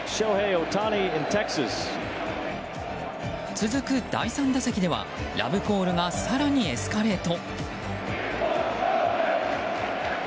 続く第３打席ではラブコールが更にエスカレート。